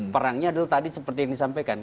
perangnya adalah tadi seperti yang disampaikan